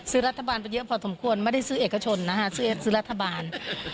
รัฐบาลไปเยอะพอสมควรไม่ได้ซื้อเอกชนนะฮะซื้อรัฐบาล